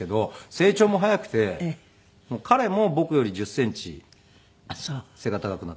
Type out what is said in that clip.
成長も早くて彼も僕より１０センチ背が高くなって。